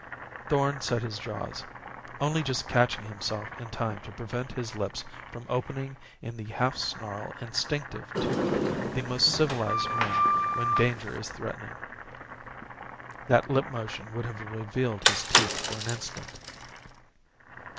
Thorn set his jaws only just catching himself in time to prevent his lips from opening in the half snarl instinctive to the most civilized of men when danger is threatening. That lip motion would have revealed his teeth for an instant!